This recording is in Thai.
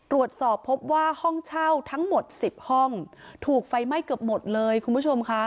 ตรวจสอบพบว่าห้องเช่าทั้งหมด๑๐ห้องถูกไฟไหม้เกือบหมดเลยคุณผู้ชมค่ะ